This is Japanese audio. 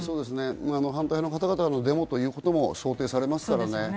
反対の方々のデモも想定されますからね。